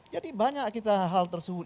jadi banyak hal tersebut